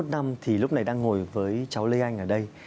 ba mươi một năm thì lúc này đang ngồi với cháu lê anh ở đây